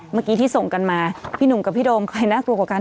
เมื่อกี้ที่ส่งกันมาพี่หนุ่มกับพี่โดมใครน่ากลัวกว่ากัน